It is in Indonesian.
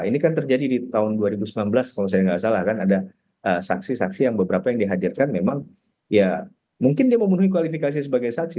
ini kan terjadi di tahun dua ribu sembilan belas kalau saya nggak salah kan ada saksi saksi yang beberapa yang dihadirkan memang ya mungkin dia memenuhi kualifikasi sebagai saksi